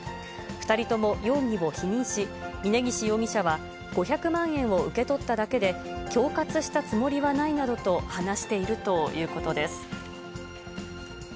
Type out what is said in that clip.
２人とも容疑を否認し、峯岸容疑者は、５００万円を受け取っただけで、恐喝したつもりはないなどと話しているということです。